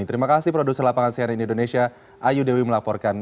terima kasih produser lapangan cnn indonesia ayu dewi melaporkan